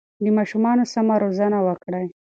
د ماشومانو سمه روزنه وکړئ.